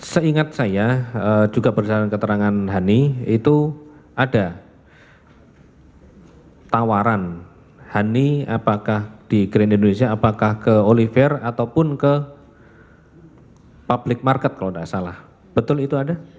seingat saya juga berdasarkan keterangan honey itu ada tawaran honey apakah di grand indonesia apakah ke oliver ataupun ke public market kalau tidak salah betul itu ada